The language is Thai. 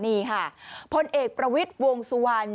นี่ค่ะพลเอกประวิทย์วงสุวรรณ